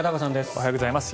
おはようございます。